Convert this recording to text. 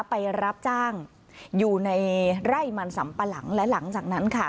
ไปรับจ้างอยู่ในไร่มันสัมปะหลังและหลังจากนั้นค่ะ